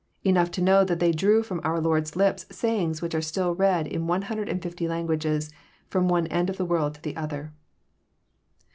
Enough to know that they drew from our Lord's lips sayings which are still read in one hundred and fifty languages, from one end of the world to the other.